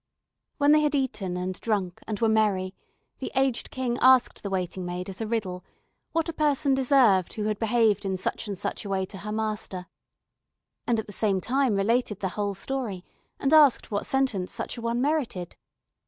When they had eaten and drunk, and were merry, the aged King asked the waiting maid as a riddle, what a person deserved who had behaved in such and such a way to her master, and at the same time related the whole story, and asked what sentence such an one merited?